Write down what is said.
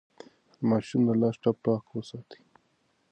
د ماشوم د لاس ټپ پاک وساتئ.